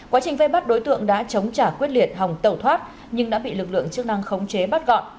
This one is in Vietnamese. quá trình vây bắt đối tượng đã chống trả quyết liệt hòng tẩu thoát nhưng đã bị lực lượng chức năng khống chế bắt gọn